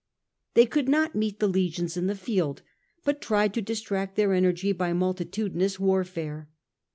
They would not meet the legions in the field, but tried to distract their energy by multitudinous warfare.